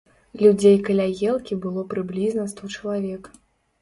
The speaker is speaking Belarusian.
Людзей каля елкі было прыблізна сто чалавек.